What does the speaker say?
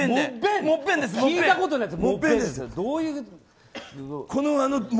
聞いたことないよ。